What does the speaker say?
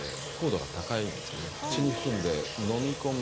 口に含んで。